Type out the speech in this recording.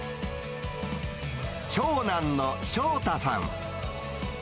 長男の翔太さん。